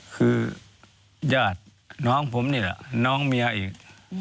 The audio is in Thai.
คือญาติน้องผมนี่แหละน้องเมียอีก